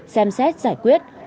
xem xét giải quyết